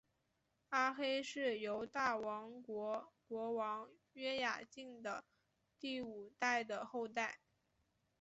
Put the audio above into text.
阿黑是犹大王国国王约雅敬的第五代的后代。